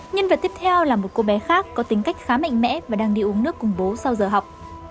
nhân vật tiếp theo là một cô bé khác có tính cách khá mạnh mẽ và đang đi uống nước cùng bố sau giờ học